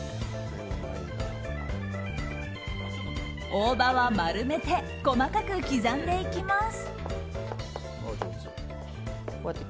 大葉は丸めて細かく刻んでいきます。